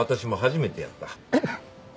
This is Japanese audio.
えっ！？